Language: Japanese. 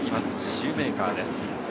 シューメーカーです。